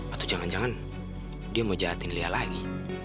atau jangan jangan dia mau jahatin lia lagi